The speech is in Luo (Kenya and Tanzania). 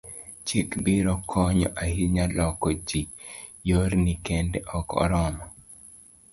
chik biro konyo ahinya loko ji, yorni kende ok oromo